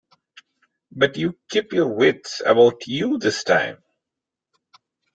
But you keep your wits about you this time.